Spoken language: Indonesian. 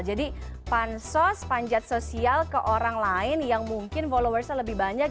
jadi pansos panjat sosial ke orang lain yang mungkin followersnya lebih banyak